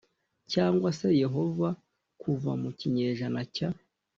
cyangwa se yehova kuva mu kinyejana cya